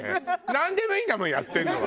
なんでもいいんだもんやってるのは。